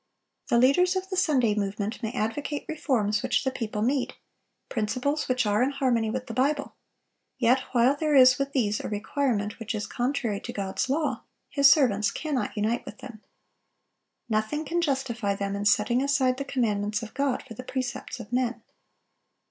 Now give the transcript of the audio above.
The leaders of the Sunday movement may advocate reforms which the people need, principles which are in harmony with the Bible; yet while there is with these a requirement which is contrary to God's law, His servants cannot unite with them. Nothing can justify them in setting aside the commandments of God for the precepts of men.